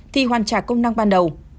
thì hoàn trả công năng ban đầu